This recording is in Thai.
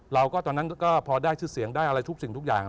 ตอนนั้นก็พอได้ชื่อเสียงได้อะไรทุกสิ่งทุกอย่าง